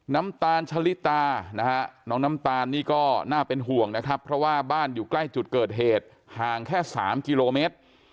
น้ำตาลชะลิตานะฮะน้องน้ำตาลนี่ก็น่าเป็นห่วงนะครับเพราะว่าบ้านอยู่ใกล้จุดเกิดเหตุห่างแค่๓กิโลเมตร